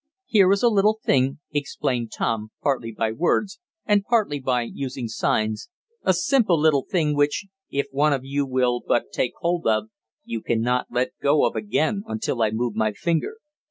"Here is a little thing," explained Tom, partly by words, and partly by using signs, "a simple little thing which, if one of you will but take hold of, you cannot let go of again until I move my finger.